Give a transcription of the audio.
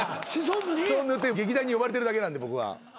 シソンヌっていう劇団に呼ばれてるだけなんで僕は。